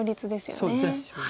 そうですね勝率。